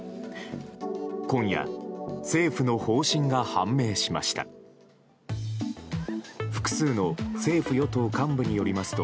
今夜、政府の方針が判明しました。